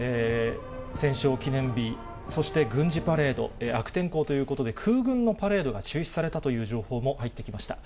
戦勝記念日、そして軍事パレード、悪天候ということで、空軍のパレードが中止されたという情報も入ってきました。